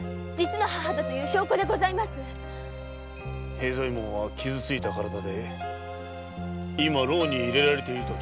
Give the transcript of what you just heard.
平左衛門は傷ついた体で今牢に入れられている。